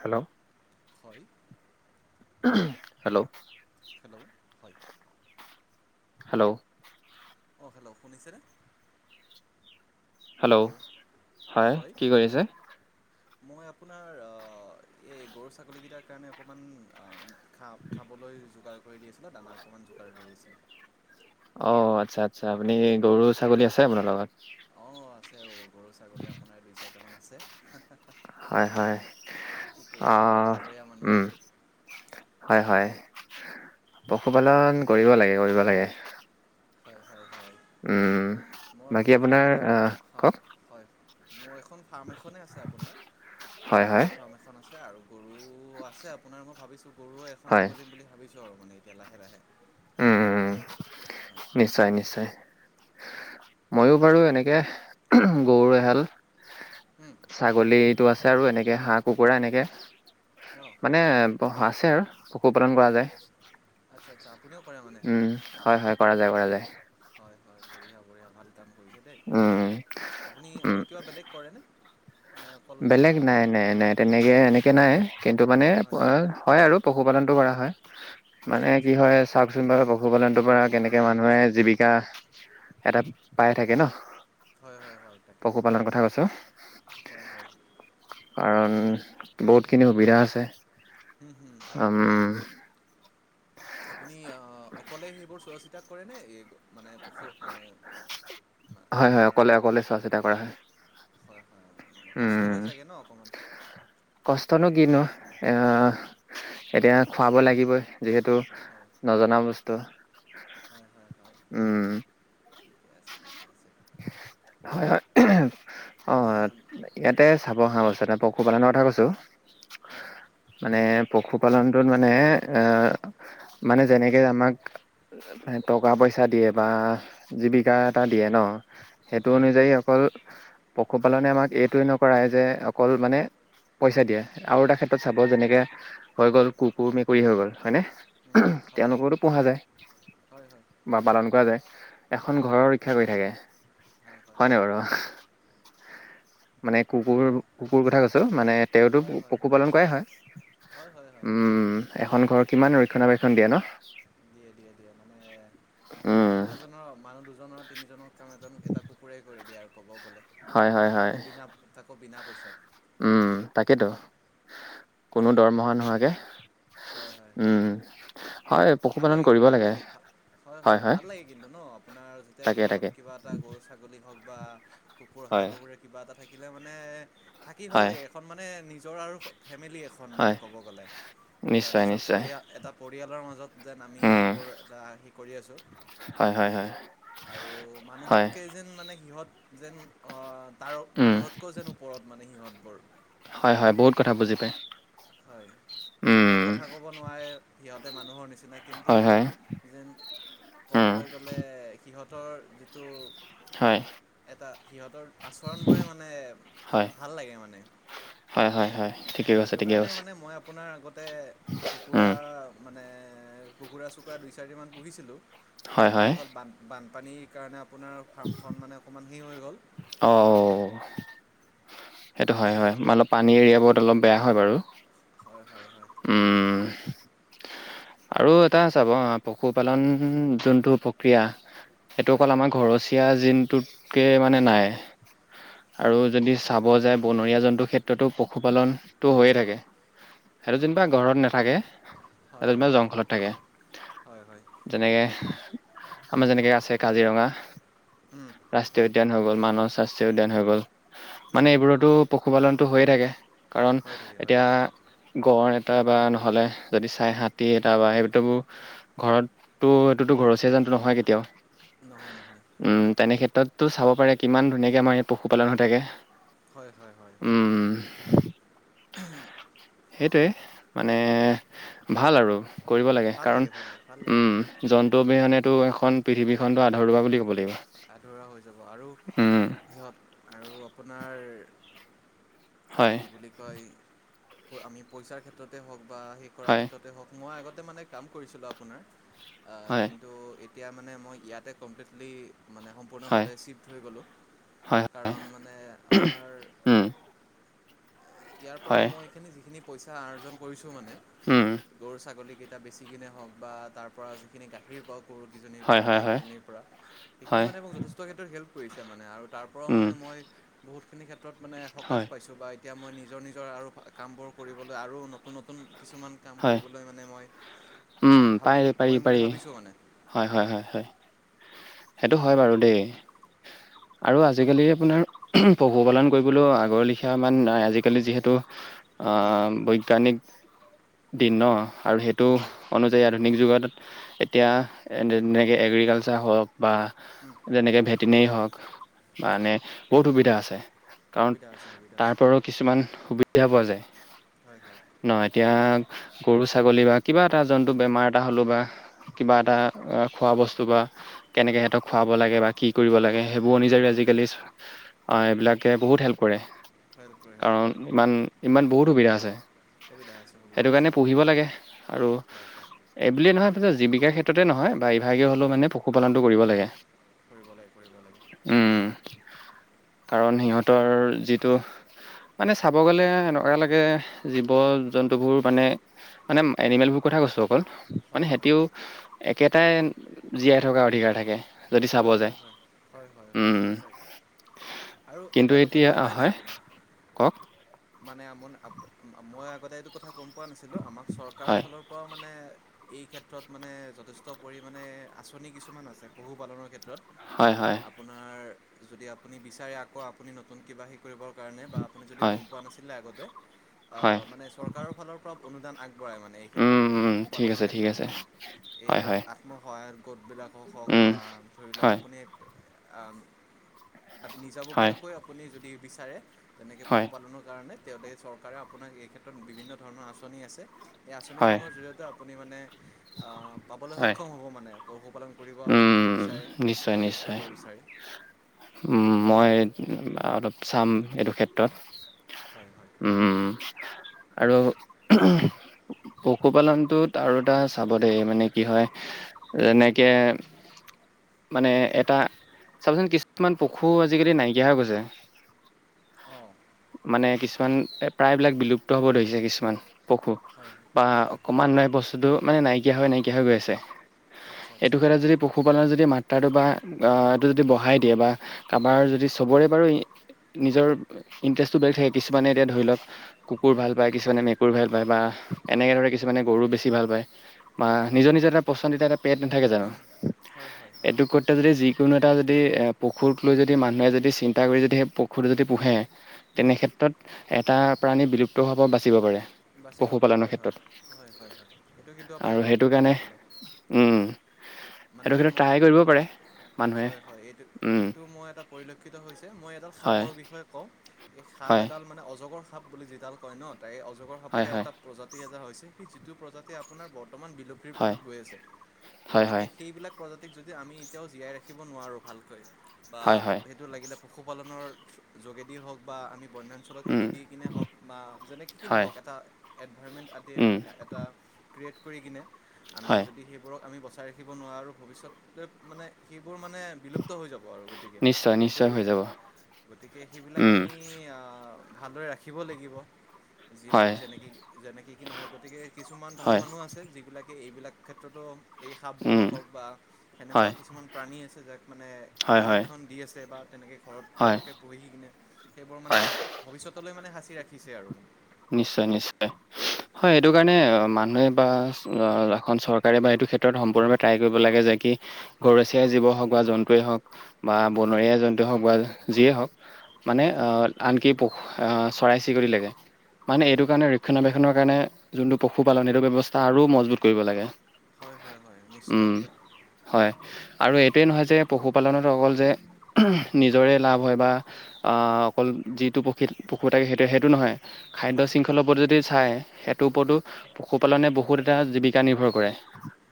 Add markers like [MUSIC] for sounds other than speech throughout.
Hello, হয় hello? Hello, ' হয়। Hello? অ হেল্ল' শুনিছেনে হেল্ল'? হয় কি কৰি আছে? মই আপোনাৰ এই গৰু ছাগলীকেইটাৰ কাৰণে অকণমান খা খাবলৈ যোগাৰ কৰি দি আছিলোঁ দানা অকণমান যোগাৰ কৰি আছিল। অ আচ্ছা আচ্ছা আপুনি গৰু ছাগলী আছে আপোনাৰ লগত অঁ আছে অহঁ গৰু ছাগলী আপোনাৰ দুই চাৰিটামান আছে। হয় হয় কি কৰিব আৰু আহ অকলশৰীয়া মানুহ উম আৰু হয় হয়। পশুপালন কৰিব লাগে কৰিব লাগে। হয়। হয় উম, মোৰ বাকী ফাৰ্ম আপোনাৰ এখন আহ হয় কওক? হয় মোৰ এখন ফাৰ্ম এখনেই আছে আপোনাৰ, হয় হয় ছাগলীৰ ফাৰ্ম এখন আছে আৰু গৰু আছে আপোনাৰ মই ভাবিছোঁ গৰু এখন হয় খুলিম বুলি ভাবিছোঁ আৰু মানে এতিয়া লাহে লাহে উম উম, হয় নিশ্চয় নিশ্চয়। মইও বাৰু এনেকে গৰু এহাল উম, ছাগলীত টো আছে আৰু এনেকে হাঁহ কুকুৰা এনেকে অঁ মানে আছে আৰু পশুপালন কৰা যায়। আচ্ছা আচ্ছা আপুনিও কৰে মানে উম, হয় হয় কৰা যায় কৰা যায়। হয় হয় বঢ়িয়া বঢ়িয়া ভাল কাম কৰিছে দেই, উম উম আপুনি উম, আৰু কিবা বেলেগ কৰেনে? নে অকল বেলেগ নাই আহ, নাই নাই তেনেকে এনেকে নাই কিন্তু মানে হয় হয় আৰু। পশুপালনটো কৰা হয়, মানে আচ্ছা কি আচ্ছা হয় চাওকচোন বাৰু প পশুপালনটোৰ পৰা কেনেকে মানুহে জীৱিকা এটা পাই থাকে নহঁ হয় হয় হয় তাকে পশুপালনৰ কথা কৈছো। হয় হয় কাৰণ বহুতখিনি সুবিধা আছে। উম উম হয় হয় উম আপুনি আঁহ অকলে আহিব চোৱা চিতাক কৰে নে এই মানে পশু মানে মা- হয় হয় আপোনাৰ অকলে অকলে চোৱা চিতা কৰা হয়। হয় হয় কষ্ট উম হৈ চাগে নহঁ অকণমান। কষ্টনো কিনো এহঁ এতিয়া খুৱাব লাগিবই যিহেতু হয় নজনা বস্তু হয় হয় হয় উম ঠিকে আছে ঠিকে আছে হয় হয়। অ ইয়াতে চাব অহা বস্তু এ পশুপালনৰ কথা কৈছো। হয় মানে পশুপালনটোত মানে এ, মানে যেনেকৈ আমাক টকা পইচা দিয়ে বা জীৱিকা এটা দিয়ে ন। সেইটো হয় হয় অনুযায়ী অকল, পশুপালনে আমাক এইটোৱে নকৰাই যে অকল মানে পইচা দিয়ে আৰু এটা ক্ষেত্ৰত চাব যেনেকে, হৈ গ'ল কুকুৰ, মেকুৰী হৈ গ'ল হয়নে? উম, হয় তেওঁলোকৰো পোহা যায়। হয় হয় বা পালন কৰা যায় এখন উম, ঘৰৰ ৰক্ষা কৰি থাকে। হয় হয় হয়নে বাৰু মানে কুকুৰ, হয় কুকুৰ কথা কৈছোঁ মানে তেওঁতো হয় হয় হয় পশুপালন কৰাই হয়। হয় হয় হয় হয় উম, এখন ঘৰ কিমান ৰক্ষণাবেক্ষণ দিয়ে ন। দিয়ে দিয়ে দিয়ে মানে উম মানুহ এজনৰ মানুহ দুজনৰ তিনিজনৰ কাম এজন এটা কুকুৰেই কৰি দিয়ে আৰু। ক'ব গ'লে হয় হয় হয় তাকো বিনা তাকো বিনা পইচাত উম তাকেতো, কোনো দৰমহা নোহোৱাকে হয় হয় হয় উম। হয় ভাল পশুপালন লাগে কৰিব ভাল লাগে হয় হয় ভাল লাগে কিন্তু নহঁ আপোনাৰ এতিয়া তাকে ঘৰত তাকে কিবা এটা গৰু ছাগলী হওক বা কুকুৰ, হাঁহ, হয় কুকুৰে কিবা এটা থাকিলে মানে থাকি ভাল হয় লাগে এখন মানে নিজৰ আৰু। ফেমিলি এখন মানে হয় ক'ব গ'লে। এটা নিশ্চয় নিজৰ নিশ্চয় পৰিয়া এটা পৰিয়ালৰ মাজত যেন আমি উম এইবোৰ এটা সি কৰি আছোঁ। হয় হয় হয় আৰু হয় মানুহতকেই যেন মানে সিহঁত যেন আঁহ তাৰ উম মানুহতকৈ যেন ওপৰত মানে সিহঁতবোৰ হয় হয় বহুত কথা বুজি পায়। হয়। যদিও উম কথা ক'ব নোৱাৰে, সিহঁতে মানুহৰ নিচিনা কিন্তু হয় হয় যেন উম ক'বলৈ গলে সিহঁতৰ যিটো। হয়। সিহঁতৰ আচৰণবোৰে মানে হয় ভাল লাগে মানে। হয় হয় হয় ঠিকে কৈছে সেইটো ঠিকে কাৰণে কৈছে মানে মই আপোনাৰ আগতে, উম কুকুৰাৰ মানে কুকুৰা চুকুৰা দুই চাৰিদিনমান পুহিছিলোঁ হয় কিন্তু হয় কি হ'ল বান বানপানীৰ কাৰণে আপোনাৰ ফাৰ্মখন মানে অকণমান হে হৈ গ'ল। অ সেইটো হয় হয়, মই অলপ পানী এৰিয়াবোৰত অলপ বেয়া হয় বাৰু। হয় হয় হয় উম। আৰু এটা চাব পশুপালন যোনটো প্ৰক্ৰিয়া এইটো হয় অকল আমাৰ ঘৰচীয়া জিনটোতকে মানে নাই। হয় আৰু যদি চাব যায়। বনৰীয়া জন্তুৰ ক্ষেত্ৰতো পশুপালনটো হৈয়ে থাকে, সেইটো যেনিবা ঘৰত নাথাকে। হয় তাতে ইমান হয় জংঘলত থাকে, হয় হয় যেনেকে আমাৰ যেনেকৈ আছে কাজিৰঙা উম ৰাষ্ট্ৰীয় হয় উদ্যান হৈ গ'ল মানৱ ৰাষ্ট্ৰীয় উদ্যান হৈ গ'ল। মানে হয় এইবোৰতো পশুপালনটো হৈয়ে থাকে কাৰণ হৈ থাকে হৈ এতিয়া থাকে গড় তা বা নহলে যদি চাই হাত টি এটা বাই সেইতো ঘৰততোঁ এইটোতো ঘৰচীয়া জন্তুটো নহয় কেতিয়াওঁ নহয় নহয় উম তেনে ক্ষেত্ৰতটো চাব পাৰে কিমান ধুনীয়াকে আমাৰ পশুপালন হৈ থাকে। হয় হয় হয় উম, সেইটোৱে মানে ভাল আৰু। কৰিব লাগে ভাল কাৰণ ভাল লাগে ভাল লাগে ভাল লাগে জন্তু অবিহনেতো এখন পৃথিৱীখনতো আধৰুৱা বুলি ক'ব লাগিব। আধৰুৱা হৈ যাব আৰু উম, সিহঁত আৰু আপোনাৰ হয়, কি বুলি কয়, আমি পইচাৰ ক্ষেত্ৰতে হওক বা সেই কৰাৰ হয়, ক্ষেত্ৰতে হওক মই আগতে মানে কাম কৰিছিলোঁ আপোনাৰ হয়, কিন্তু তেতিয়া মানে মই ইয়াতে কমপ্লিটলি মানে হয়, সম্পূৰ্ণভাৱে চিফ্ট হৈ গ'লোঁ। হয়, কাৰণ মানে আপোনাৰ উম, ইয়াৰ পৰা হয়, মই এইখিনি যিখিনি পইচা আৰ্জন কৰিছো মানে উম, গৰু ছাগলী কেইটা এয়া বেছি কিনে হওক বা তাৰ পৰা যিখিনি গাখীৰ পাওক। [INAUDIBLE] হয়, গায়কেইজনীৰ পৰা সেইখিনি হয়, মানে মোক যথেষ্ট ক্ষেত্ৰত হেল্প কৰিছে মানে আৰু তাৰ পৰাও উম, মানে মই বহুত সেইখিনি ক্ষেত্ৰত মানে সকাহ হয়, পাইছোঁ বা এতিয়া মই নিজৰ নিজৰ আৰু কামবোৰ কৰিবলৈ আৰু নতুন নতুন কিছুমান কাম হয়, কৰিবলৈ মানে মই মানে উম পায় ভাবিম পাৰি কৰিম বুলি পাৰি ভাবিছোঁ মানে হয় হয় হয় হয় সেইটো হয় বাৰু দেই আৰু আজিকালি আপোনাৰ পশুপালন কৰিবলৈ আগৰ লিখীয়া ইমান আজিকালি যিহেতু অ হয় বৈজ্ঞানিক দিন ন আৰু সেইটো হয় অনুযায়ী আধুনিক যুগত এতিয়া যেনেকে এগ্ৰিকালচাৰ হওক বা উম, যেনেকে ভেটিনেৰি ধৰক বা হয় মানে বহুত সুবিধা আছে কাৰণ সুবিধা আছে সুবিধা আছে তাৰ পৰাও কিছুমান সুবিধা পোৱা যায় হয় হয় ন এতিয়া গৰু ছাগলী বা কিবা এটা জন্তু বেমাৰ এটা হ'লেও বা কিবা এটা উম, খোৱা বস্তু বা কেনেকে সিহঁতক খুৱাব লাগে বা কি কৰিব লাগে সেইবোৰ অনুযায়ী আজিকালি অ এইবিলাকে বহু বহুত হেল্প কৰে হেল্প কৰে হেল্প কাৰণ ইমান ইমান বহুত সুবিধা আছে কবিতা আ সেইটো কাৰণে পুহিব লাগে আৰু হয় হয় এই বুলিয়েই নহয় জীৱিকাৰ ক্ষেত্ৰতে নহয় বা এইভাগেই হ'লেও মানে পশুপালনটো কৰিব লাগে ফুৰি লাগ কৰিবৰি লাগে উম কাৰণ সিহঁতৰ যিটো মানে চাব গ'লে এনেকুৱা লাগে জীৱ জন্তু বোৰ মানে মানে এনিমেল বোৰৰ কথা কৈছোঁ হয় মানে হয় হেইটিও একেইটাই জীয়াই থকাৰ অধিকাৰ থাকে যদি চাব হয় হয় যায় হয় হয় হয় উম সঁচাকে আৰু কিন্তু এটা কথা এতিয়া গম আ, পাই নাই হয় আপুনি কওক মানে আপোনাৰ মই আগতে এইটো কথা গম পোৱা নাছিলোঁ আমাক চৰকাৰৰ হয় ফালৰ পৰাও মানে এই ক্ষেত্ৰত মানে যথেষ্ট পৰিমাণে আঁচনি কিছুমান আছে পশুপালনৰ হয় হয় আপোনাৰ যদি আপুনি বিচাৰে আকৌ আপুনি নতুন কিবা শ কৰিবৰ কাৰণে বা আপুনি হয় গম পোৱা নাছিলে আগতে হয় মানে চৰকাৰৰ ফালৰ পৰা অনুমান আগৰ বঢ়াই মানে এই ক্ষেত্ৰত উম মানে উম ঠিক পশুপালনৰ আছে ঠিক ক্ষেত্ৰত আছে মানে এই হয় ধৰক হয় আত্মসহায়ক গোটবিলাকক হওক উম বা ধৰি লওক হয় আপুনি হয় নিজাববীয়াকৈ আপুনি যদি বিচাৰে তেনেকৈ হয় পশুপালনৰ কাৰণে তেওঁতে চৰকাৰে আপোনাৰ এই ক্ষেত্ৰত বিভিন্ন ধৰণৰ আঁচনি আছে এই হয় আঁচনিসমূহৰ জৰিয়তে আপুনি মানে আহ পাবলৈ হয় সক্ষম হ'ব মানে পশুপালন কৰিব আপুনি উম যদি বিচাৰে নিশ্চয় বা শেষ নিশ্চয় কৰিব বিচাৰে উম। মই অলপ চাম এইটো ক্ষেত্ৰত হয় হয় উম, আৰু পশুপালনটোত আৰু এটা চাব দেই মানে কি হয় যেনেকে মানে এটা- চাবচোন কিছুমান পশু আজিকালি নাইকিয়া হৈ গৈছে। অ। মানে কিছুমান প্ৰায়বিলাক বিলুপ্ত হ'ব ধৰিছে কিছুমান পশু হয় বা হয় হয় অকমান বস্তুটো মানে নাইকিয়া হৈ নাইকিয়া হৈ গৈ আছে আচ্ছা এইটো আচ্ছা ক্ষেত্ৰত যদি পশুপালন যদি মাত ৰটো বা এইটো যদি বঢহাই দিয়ে বা কাৰোবাৰ যদি চবৰে বাৰু নিজৰ ইন্টাৰেষ্টটো বেলেগ থাকে কিছুমানে এতিয়া ধৰি লওক কুকুৰ ভাল পায় কিছুমানে মেকুৰী ভাল পায় বা হয় এনেকে ধৰে কিছুমানে গৰুও বেছি ভাল পায়। বা হয় হয় নিজৰ নিজৰ এটা পচন্দিতা এটা পেট নাথাকে জানো হয় হয় হয় এইটো কৰতে যদি যি কিয়নো এটা যদি পশুৰক লৈ যদি মানুহে যদি চিন্তা কৰি যদি সেই পশুৰটো যদি পোহে তেনে উম, ক্ষেত্ৰত এটা প্ৰাণী বিলুপ্ত হাৱ বাচিব পাৰে। বাচিব পাৰে পশুপালনৰ হয় হয় ক্ষেত্ৰত হয় হয় হয় সেইটো কিন আৰু সেইটো কাৰণে উম মানে সেইটো ক মই এই ট্ৰাই ক্ষেত্ৰত কৰিব পাৰে মানুহে হয় হয় এইটো উম এইটো মই এটা পৰিলক্ষিত হৈছে মই এডাল হয় সাপৰ বিষয়ে কওঁ এই সাপ হয় এডাল মানে অজগৰ সাপ বুলি যিডাল কয় ন এই অজগৰ হয় সাপৰে হয় এটা প্ৰজাতি স যিটো প্ৰজাতি আপোনাৰ বৰ্তমান বিলুপীৰ হয় পথত গৈ আছে হয় গতিকে হয় সেইবিলাক প্ৰজাতি হয় হয় [UNINTELLIGIBLE] পশুপালনৰ যোগেদি হওক বা আমি বন্যাঞ্চলত এৰি উম দি কিনে হওক বা যেনে কি কি ন হয় হওক এটা এনভাইৰণমেণ্ট আদি উম মানে এটা ক্ৰিয়েট কৰি কিনে আমি হয় যদি সেইবোৰক আমি বচ চাই ৰাখিব নোৱাৰা আৰু ভৱিষ্যতলৈ মানে সি বোৰ মানে বিলুপ্ত হৈ যাব আৰু গতিকে নিশ্চয় কিন্তু- নিশ্চয় হৈ যাব গতিকে সেইবিলাক উম আমি আহ ভালদৰে ৰাখিব লাগিব। হয় যেনেক কি যেনেকৈ কি নহওক গতিকে কিছুমান ভাল হয় মানুহ আছে যিবিলাকে এইবিলাক ক্ষেত্ৰতো এই উম সাপবোৰক হওক বা সেনেকুৱা হয় কিছুমান প্ৰাণী আছে যাক মানে হয় হয় সংৰক্ষণ দি আছে বা তেনেকৈ ঘৰত হয় তেওঁলোকে পঢ়িহি কিনে সেইবোৰ মানে হয় ভৱিষ্যতলৈ মানে সাঁচি ৰাখিছে আৰু মানে নিশ্চয় নিশ্চয়। হয় এইেইটো কাৰণে মানুহে বা এখন চৰকাৰে বা এইটো ক্ষেত্ৰত সম্পূৰ্ণে ট্ৰাই কৰিব লাগে যে কি ঘৰচীয়াই জীৱ হওক বা জন্তুৱেই হওক বা হয় বনৰীয়া জন্তুৱ হওক বা যিয়ে হওক মানে হয় আনকি প- অ চৰাই চিৰিকতি লেকে মানে হয় এইটো কাৰণে ৰক্ষণাবেক্ষণ খনৰ কাৰণে যোনটো পশুপালন সেইটো ব্যৱস্থা আৰু মজবুত কৰিব লাগে হয় হয় হয় উম। নিশ্চিতভাৱে হয় আৰু এইটোৱেই নহয় যে পশুপালনত অকল যে নিজৰে লাভ হয় বা অকল যিটো পক্ষী পশু থাকে সেইটোৱে সেইটো নহয় খাদ্য হয় হয় শৃংখলাৰ ওপৰত যদি চায় সেইটোৰ ওপৰতো হয় পশু- পালনে বহুত এটা জীৱিকা নিৰ্ভৰ কৰে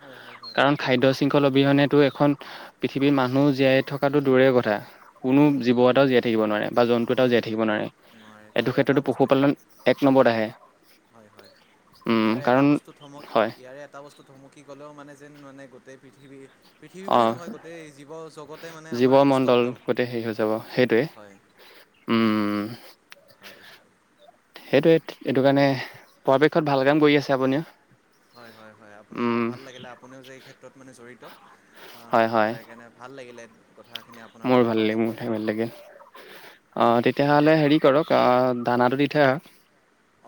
হয় হয় হয় কাৰণ খাদ্য- শৃংখল অবিহনেতো এখন পৃথিৱীৰ মানুহ জীয়াই থকাটো দূৰে কথা- কোনো দূৰৰ জীৱ কথা এটাও জীয়াই থাকিব নোৱাৰে বা জন্তু এটাও নোৱাৰি জীয়াই থাকিব নোৱাৰি নোৱাৰে নোৱাৰে এইটো তাৰে এটা ক্ষেত্ৰতো বস্তু পশুপালন। ব আহে হয় হয় উম ইয়াৰে এটা কাৰণ বস্তু থমক হয় ইয়াৰে এটা বস্তু থমকি গ'লেও মানে যেন মানে গোটেই পৃথিৱীত পৃথিৱী অ বুলি নহয় গোটেই জীৱ জগতে মানে আমাৰ জীৱমণ্ডল নিস্তব্ধ গোটেই হেৰি হৈ যাব সেইটোৱে হয়। উম হয় সেইটোৱে এইটো কাৰণে পৰাপক্ষত ভাল কাম কৰি আছে আপুনিও। হয় হয় হয় আপুনিও উম ভাল লাগিলে আপুনিও যে এই ক্ষেত্ৰত মানে জড়িত অ তাৰে কাৰণে ভাল। ভাল লাগিলে। কথাখিনি আপোনাৰ মোৰ লগত ভাল পাতি লাগে মোৰ কিনে ঠাই ভাল লাগে। অ তেতিয়াহ'লে হেৰি কৰক আহ দানাটো দি থৈ আহক।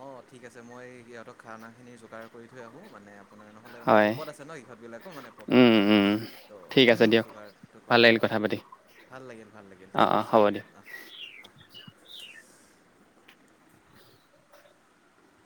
অঁ ঠিক আছে মই সিহঁতক খানাখিনি যোগাৰ কৰি থৈ আহোঁ মানে অনা নহলে মানে হয় ভোকত আছে ন ইহঁত বিলাকো মানে উম উম তো ঠিক আছে ইহঁতক দিয়ক যোগাৰটো ভাল কৰি থৈ লাগিল আহোঁ কথা পাতি। ভাল লাগিল ভাল লাগিল অ ঠিক অ আছে হ'ব দিয়ক অ অ। [INAUDIBLE]